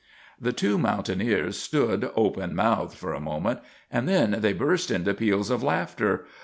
The two mountaineers stood open mouthed for a moment, and then they burst into peals of laughter.